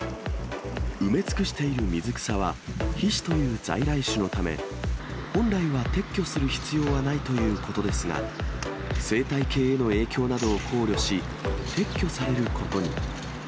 埋め尽くしている水草は、ヒシという在来種のため、本来は撤去する必要はないということですが、生態系への影響などを考慮し、撤去されることに。